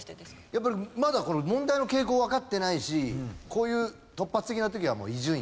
やっぱりまだ問題の傾向わかってないしこういう突発的な時はもう伊集院。